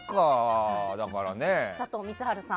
佐藤満春さん。